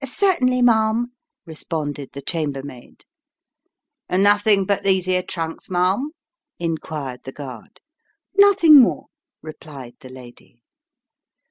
" Certainly, ma'am," responded the chamber maid. " Nothing but these 'ere trunks, ma'am ?" inquired the guard. " Nothing more," replied the lady.